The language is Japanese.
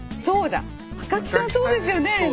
そうですよね。